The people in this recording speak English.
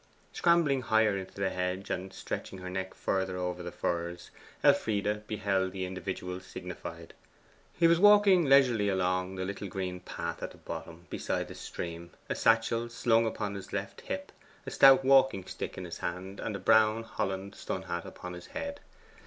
Scrambling higher into the hedge and stretching her neck further over the furze, Elfride beheld the individual signified. He was walking leisurely along the little green path at the bottom, beside the stream, a satchel slung upon his left hip, a stout walking stick in his hand, and a brown holland sun hat upon his head.